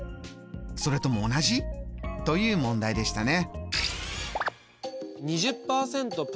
それとも同じ？」という問題でしたね。